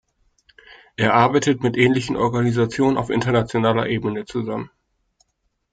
Er arbeitet mit ähnlichen Organisationen auf internationaler Ebene zusammen.